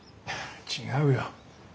違うよ。